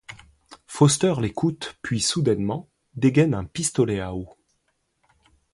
Foster l'écoute puis, soudainement, dégaine un pistolet à eau.